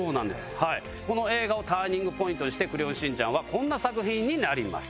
この映画をターニングポイントにして『クレヨンしんちゃん』はこんな作品になります。